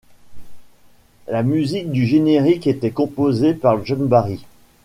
La musique du générique était composée par John Barry.